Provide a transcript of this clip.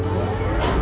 masuklah para para